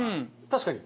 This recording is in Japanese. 確かに。